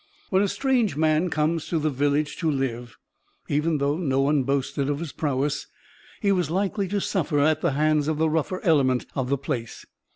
When a strange man came to the village to live, even though no one boasted of his prowess, he was likely to suffer at the hands of the rougher element of the place.